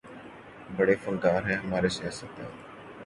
بڑے فنکار ہیں ہمارے سیاستدان